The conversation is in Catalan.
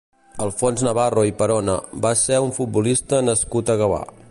Alfons Navarro i Perona va ser un futbolista nascut a Gavà.